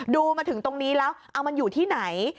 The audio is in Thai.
ดูมาถึงตรงนี้แล้วเอามันอยู่ที่ไหน